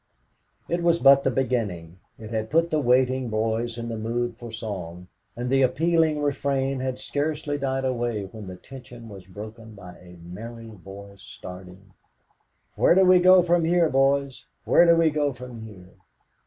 It was but the beginning. It had put the waiting boys in the mood for song, and the appealing refrain had scarcely died away when the tension was broken by a merry voice starting, "Where do we go from here, Boys? Where do we go from here?"